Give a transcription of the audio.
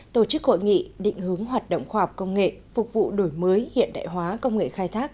tổ chức hội nghị định hướng hoạt động khoa học công nghệ phục vụ đổi mới hiện đại hóa công nghệ khai thác